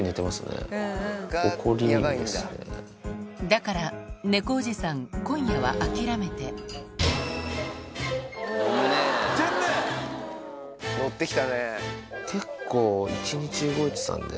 だから猫おじさん今夜は諦めて行ってんね。